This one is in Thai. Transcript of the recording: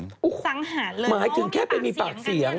ทุกสังหารเลยหมายถึงแค่ไปมีปากเสียง